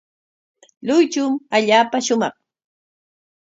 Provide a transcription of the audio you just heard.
Luychum allaapa shumaq.